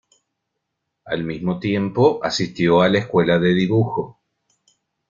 Al mismo tiempo asistió a la escuela de dibujo.